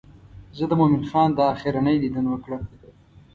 زه د مومن خان دا آخرنی دیدن وکړم.